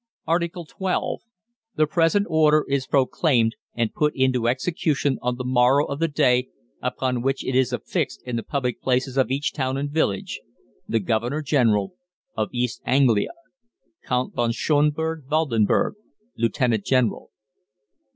ARTICLE XII. The present order is proclaimed and put into execution on the morrow of the day upon which it is affixed in the public places of each town and village, The Governor General of East Anglia, =COUNT VON SCHONBURG WALDENBERG, Lieutenant General.